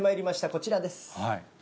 こちらです。